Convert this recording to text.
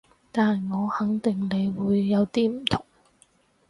但我肯定你會有啲唔同